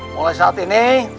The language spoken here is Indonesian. mulai saat ini